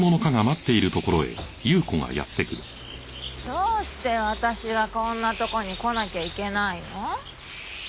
どうして私がこんなとこに来なきゃいけないの？